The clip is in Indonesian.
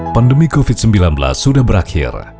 pandemi covid sembilan belas sudah berakhir